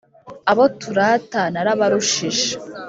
abo turata narabarushije